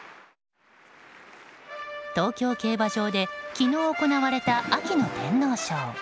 東京競馬場で昨日行われた秋の天皇賞。